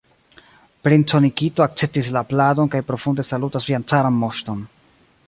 Princo Nikito akceptis la pladon kaj profunde salutas vian caran moŝton!